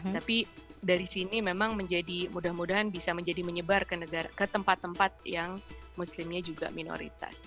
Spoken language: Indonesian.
tapi dari sini memang menjadi mudah mudahan bisa menjadi menyebar ke tempat tempat yang muslimnya juga minoritas